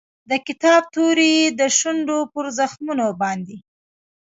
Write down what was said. د کتاب توري یې د شونډو پر زخمونو باندې